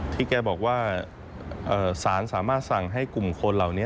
แกบอกว่าสารสามารถสั่งให้กลุ่มคนเหล่านี้